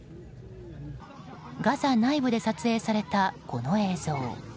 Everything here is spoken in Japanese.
ガザ内部で撮影された、この映像。